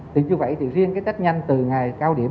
thì như vậy thì riêng cái tết nhanh từ ngày cao điểm